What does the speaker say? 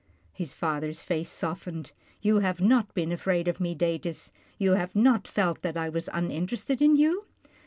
His father's face softened. " You have not been afraid of me, Datus. You have not felt that I was uninterested in you